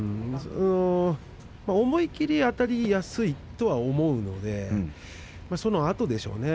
思い切りあたりやすいとは思うんでそのあとでしょうね。